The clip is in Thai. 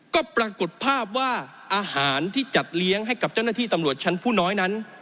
ก็ปรากฏภาพว่าอาหารที่จัดเลี้ยงให้กับเจ้าหน้าที่ตำรวจชั้นผู้น้อยนั้น